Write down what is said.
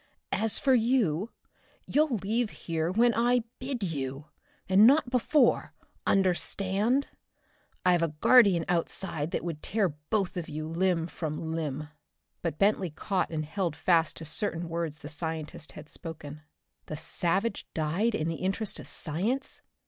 As for you, you'll leave here when I bid you, and not before, understand? I've a guardian outside that would tear both of you limb from limb." But Bentley caught and held fast to certain words the scientist had spoken. "The savage died in the interest of science?"